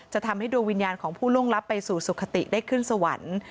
จะทำให้ดวงวิญญาณของผู้ล่วงลับไปสู่สุขติได้ขึ้นสวรรค์